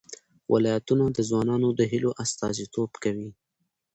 ولایتونه د ځوانانو د هیلو استازیتوب کوي.